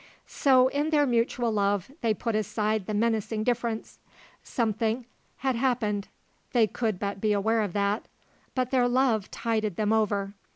So, in their mutual love, they put aside the menacing difference. Something had happened, they could but be aware of that; but their love tided them over.